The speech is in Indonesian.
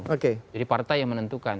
jadi partai yang menentukan